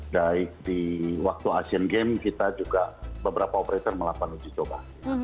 dari waktu asian game kita juga beberapa operator melakukan uji coba